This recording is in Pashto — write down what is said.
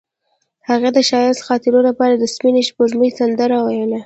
هغې د ښایسته خاطرو لپاره د سپین سپوږمۍ سندره ویله.